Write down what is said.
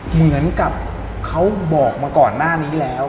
เหมือนกับเขาบอกมาก่อนหน้านี้แล้ว